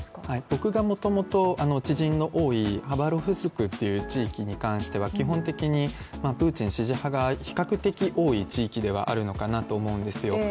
僕がもともと知人の負いハバロフスクという地域に関しては基本的にプーチン支持派が比較的多い地域であるのかなとは思うんですよ